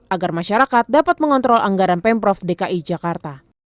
agar masyarakat dapat mengontrol anggaran pemprov dki jakarta